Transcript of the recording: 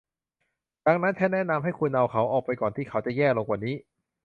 ดังนั้นฉันแนะนำให้คุณเอาเขาออกไปก่อนที่เขาจะแย่ลงกว่านี้